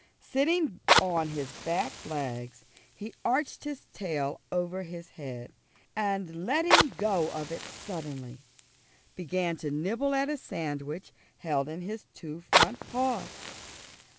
Sitting on his back legs he arched his tail over his head, and letting go of it suddenly, began to nibble at a sandwich held in his two front paws.